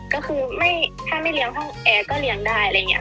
ก็คือถ้าไม่เลี้ยงห้องแอร์ก็เลี้ยงได้อะไรอย่างนี้